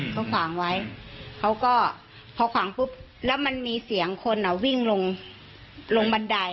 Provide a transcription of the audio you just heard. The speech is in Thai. เขาขวางไว้เขาก็พอขวางปุ๊บแล้วมันมีเสียงคนอ่ะวิ่งลงลงบันได